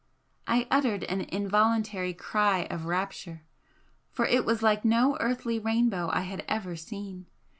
I uttered an involuntary cry of rapture for it was like no earthly rainbow I had ever seen.